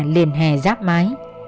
liền hè giáp mái